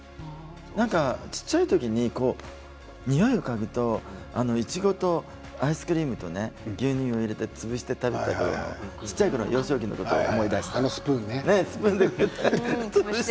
小さい時ににおいを嗅ぐといちごとアイスクリームと牛乳を入れて潰して食べたこと幼少期のことを思い出したりして。